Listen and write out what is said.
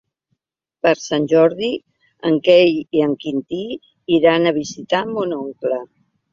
Per Sant Jordi en Quel i en Quintí iran a visitar mon oncle.